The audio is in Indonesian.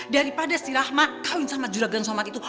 daripada si rahma dikawin sama juragan somat itu